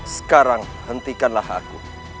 sekarang hentikanlah aku